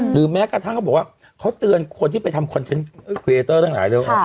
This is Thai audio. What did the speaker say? แม้กระทั่งเขาบอกว่าเขาเตือนคนที่ไปทำคอนเทนต์เครเตอร์ทั้งหลายแล้ว